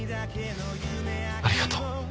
ありがとう。